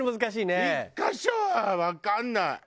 １カ所はわかんない！